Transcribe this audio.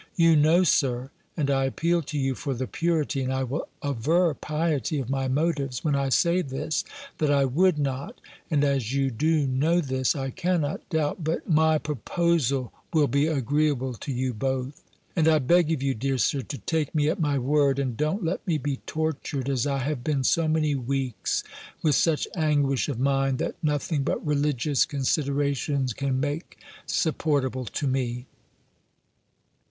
You know, Sir, and I appeal to you for the purity, and I will aver piety of my motives, when I say this, that I would not; and as you do know this, I cannot doubt but nay proposal will be agreeable to you both. And I beg of you, dear Sir, to take me at my word; and don't let me be tortured, as I have been so many weeks, with such anguish of mind, that nothing but religious considerations can make supportable to me."